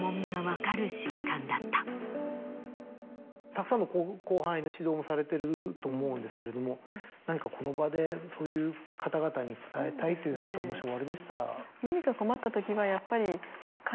たくさんの後輩の指導もされてると思うんですけれども何かこの場でそういう方々に伝えたいというようなことがもしおありでしたら。